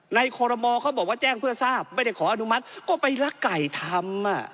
คอรมอเขาบอกว่าแจ้งเพื่อทราบไม่ได้ขออนุมัติก็ไปรักไก่ทำ